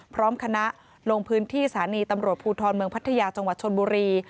พร้อมคณะลงพื้นที่สถานีตำรวจภูทรเมืองพัทยาจังหวัดชนบุรี